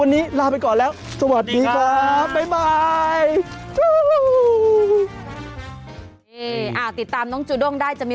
อย่าลืมติดตามนะครับ